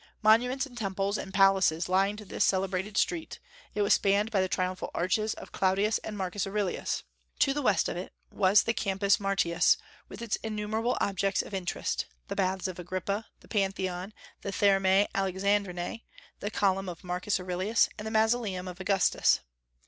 Monuments and temples and palaces lined this celebrated street; it was spanned by the triumphal arches of Claudius and Marcus Aurelius. To the west of it was the Campus Martius, with its innumerable objects of interest, the Baths of Agrippa, the Pantheon, the Thermae Alexandrinae, the Column of Marcus Aurelius, and the Mausoleum of Augustus.